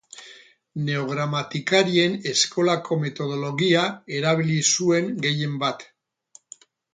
Neogramatikarien eskolako metodologia erabili zuen gehienbat.